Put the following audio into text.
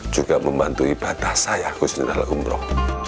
juga membantu ibadah saya kusun idalah umroh